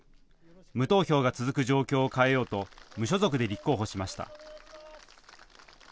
無投票が続く状況を変えようと無所属で立候補しました。